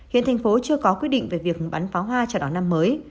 hiện thành phố chưa có quyết định về việc bắn pháo hoa chào đón năm mới